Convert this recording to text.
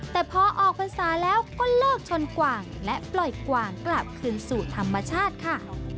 แต่พอออกพรรษาแล้วก็เลิกชนกว่างและปล่อยกว่างกลับคืนสู่ธรรมชาติค่ะ